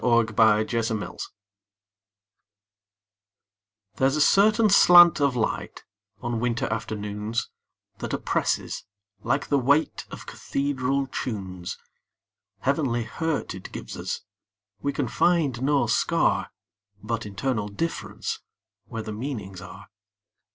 Part Two: Nature LXXXII THERE'S a certain slant of light, On winter afternoons, That oppresses, like the weightOf cathedral tunes. Heavenly hurt it gives us; We can find no scar, But internal differenceWhere the meanings are.